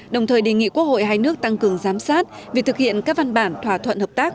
đồng thời đề nghị quốc hội hai nước tăng cường giám sát việc thực hiện các văn bản thỏa thuận hợp tác